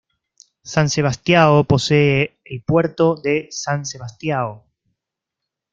San Sebastião posee el Puerto de San Sebastião.